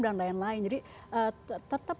dan lain lain jadi tetap